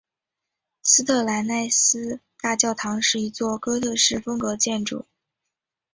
斯特兰奈斯大教堂是一座哥特式风格建筑。